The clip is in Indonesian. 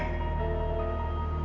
tentang apa yang terjadi